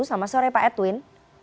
selamat sore pak edwin